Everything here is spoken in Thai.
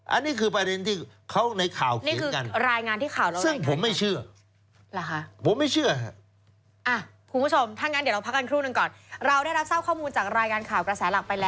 อันนี้คือประเด็นที่เขาในข่าวเขียนกัน